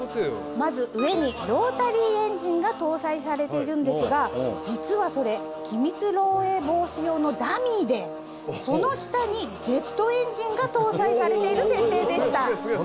まず上にロータリーエンジンが搭載されているんですが実はそれ機密漏洩防止用のダミーでその下にジェットエンジンが搭載されている設定でした。